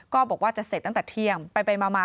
ก็บอกว่าจะเสร็จตั้งแต่เที่ยงไปมา